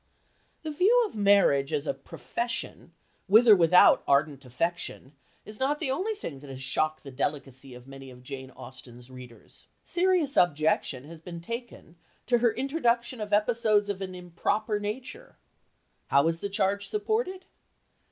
The view of marriage as a profession, with or without ardent affection, is not the only thing that has shocked the delicacy of many of Jane Austen's readers. Serious objection has been taken to her introduction of episodes of an "improper" nature. How is the charge supported?